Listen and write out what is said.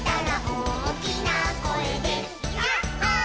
「おおきなこえでヤッホー」